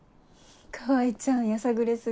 川合ちゃんやさぐれ過ぎ。